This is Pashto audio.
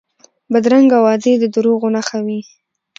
بدرنګه وعدې د دروغو نښه وي